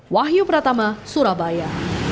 wahyu pratama surabaya